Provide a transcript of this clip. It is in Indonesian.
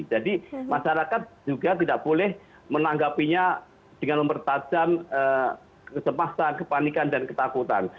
jadi masyarakat juga tidak boleh menanggapinya dengan mempertahankan kesempatan kepanikan dan ketakutan